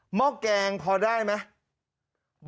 ห้อแกงพอได้ไหม